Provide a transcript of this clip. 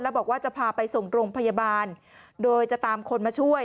บอกว่าจะพาไปส่งโรงพยาบาลโดยจะตามคนมาช่วย